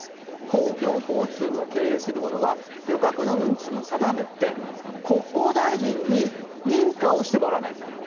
公共交通を経営する者は、旅客の運賃を定めて、国交大臣に認可をしてもらわないといけない。